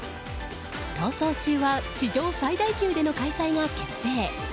「逃走中」は史上最大級での開催が決定。